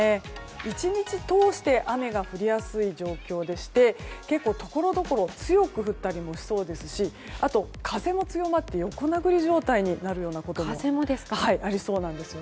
１日通して雨が降りやすい状況でして結構、ところどころ強く降ったりもしそうですしあと、風も強まって横殴り状態になりそうです。